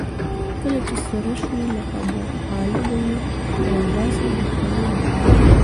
کله چې سره شوه له قالبه یې راباسي د خوړلو لپاره.